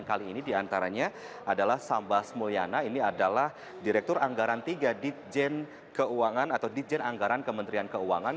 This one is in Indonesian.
kali ini diantaranya adalah sambas mulyana ini adalah direktur anggaran tiga ditjen keuangan atau ditjen anggaran kementerian keuangan